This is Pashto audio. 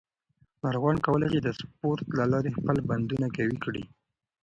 ناروغان کولی شي د سپورت له لارې خپل بندونه قوي کړي.